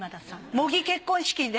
模擬結婚式で。